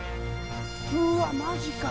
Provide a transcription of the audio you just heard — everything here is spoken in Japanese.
うわマジか。